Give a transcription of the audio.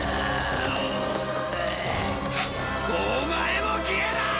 お前も消えろ！！